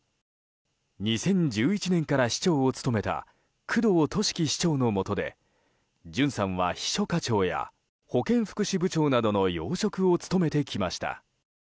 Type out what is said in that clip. ２０１１年から市長を務めた工藤寿樹市長のもとで潤さんは秘書課長や保健福祉部長などの要職を務めてきました。